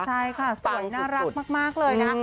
ใช่ค่ะสวยน่ารักมากเลยนะคะ